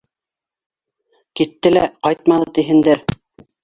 Китте лә ҡайтманы, тиһендер.